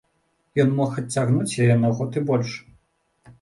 Ён мог адцягнуць яе на год і больш.